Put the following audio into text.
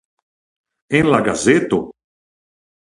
En la gazeto?